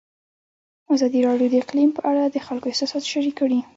ازادي راډیو د اقلیم په اړه د خلکو احساسات شریک کړي.